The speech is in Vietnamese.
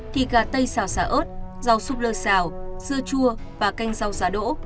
thì gà tây xào xà ớt rau súp lơ xào dưa chua và canh rau xà đỗ